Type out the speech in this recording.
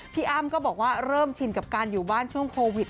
พี่อ้ำก็บอกว่าเริ่มชินกับการอยู่บ้านช่วงโควิด